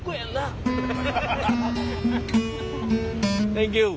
センキュー。